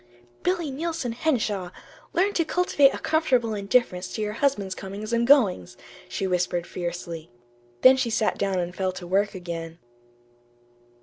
"Tut, tut, Billy Neilson Henshaw! Learn to cultivate a comfortable indifference to your husband's comings and goings," she whispered fiercely. Then she sat down and fell to work again.